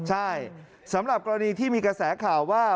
ใช่สำหรับกรณีที่มีกระแสข่าวว่า